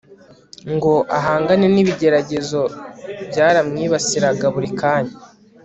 ngo ahangane nibigeragezo Byaramwibasiraga buri kanya